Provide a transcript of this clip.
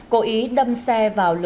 cô ý đâm xe vào lửa